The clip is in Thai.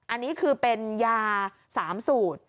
อันนี้คือเป็นยา๓สูตร